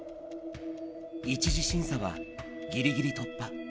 １次審査はぎりぎり突破。